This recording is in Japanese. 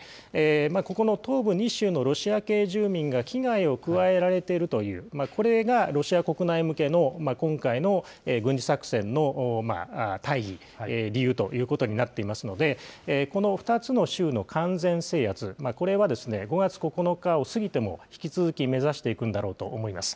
ここの東部２州のロシア系住民が危害を加えられているという、これがロシア国内向けの今回の軍事作戦の大義、理由ということになっていますので、この２つの州の完全制圧、これは、５月９日を過ぎても引き続き目指していくんだろうと思います。